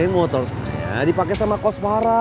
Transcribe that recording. motor saya dipake sama koswara